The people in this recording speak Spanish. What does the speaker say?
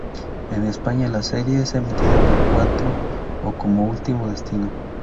En España, la serie es emitida por Cuatro como "Último destino".